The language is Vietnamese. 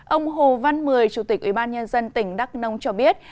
ông hồ văn mười chủ tịch ubnd tỉnh đắk nông cho biết